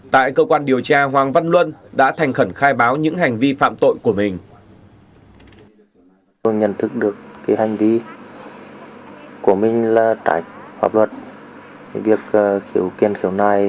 tại cơ quan điều tra hoàng văn luân đã thành khẩn khai báo những hành vi phạm tội của mình